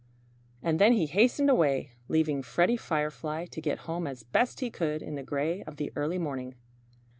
And then he hastened away, leaving Freddie Firefly to get home as best he could in the gray of the early morning.